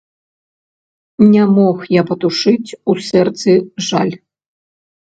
Не мог я патушыць у сэрцы жаль.